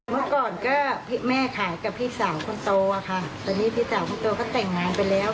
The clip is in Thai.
เมื่อก่อนก็แม่ขายกับพี่สาวคนโตค่ะตอนนี้พี่สาวคนโตก็แต่งงานไปแล้ว